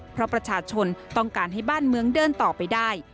เพราะประชาชนต้องการให้บ้านเมืองเดินต่อไปได้